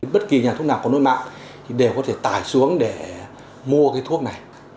bất kỳ nhà thuốc nào có nốt mạng thì đều có thể tải xuống để mua cái thuốc này